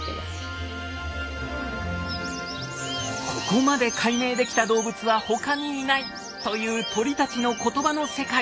ここまで解明できた動物は他にいないという鳥たちの言葉の世界。